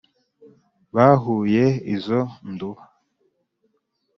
bahuye izo nduba.